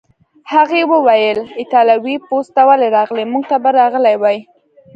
هغې وویل: ایټالوي پوځ ته ولې راغلې؟ موږ ته به راغلی وای.